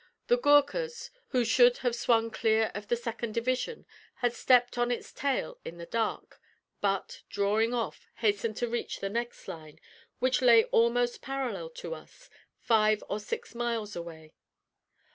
The Goorkhas, who should have swung clear of the second division, had stepped on its tail in the dark, but, drawing off, hastened to reach the next line, which lay almost parallel to us, five or six miles away.